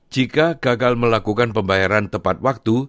jika gagal melakukan pembayaran tepat waktu